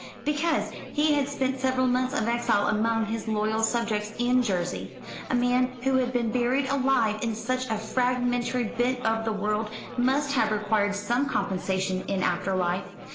"Because he had spent several months of exile among his loyal subjects in Jersey. A man who had been buried alive in such a fragmentary bit of the world must have required some compensation in after life."